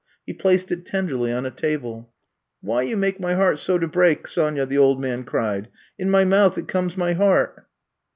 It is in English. He placed it tenderly on a table. Why you make my heart so to break, Sonyaf*' the old man cried. In my mouth it comes my heart.